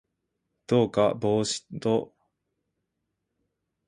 どうか帽子と外套と靴をおとり下さい